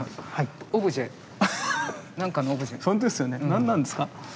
何なんですか？